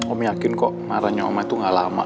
om yakin kok marahnya om itu gak lama